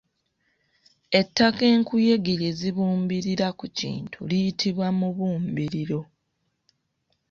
Ettaka enkuyege lye zibumbirira ku kintu liyitibwa mubumbiriro.